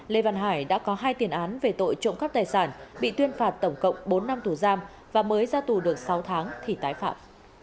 lê văn hải đã có hai tiền án về tội trộm cắp tài sản bị tuyên phạt tổng cộng bốn năm tù giam và mới ra tù được sáu tháng thì tái phạm